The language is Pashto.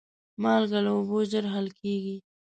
مالګه له اوبو ژر حل کېږي.